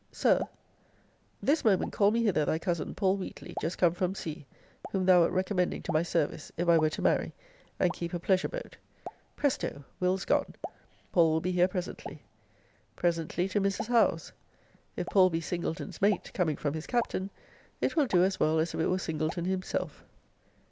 Sir This moment call me hither thy cousin Paul Wheatly, just come from sea, whom thou wert recommending to my service, if I were to marry, and keep a pleasure boat. Presto Will's gone Paul will be here presently. Presently to Mrs. Howe's. If Paul be Singleton's mate, coming from his captain, it will do as well as if it were Singleton himself.